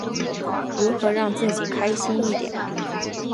如何让自己开心一点？